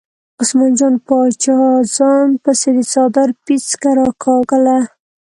عثمان جان باچا ځان پسې د څادر پیڅکه راکاږله.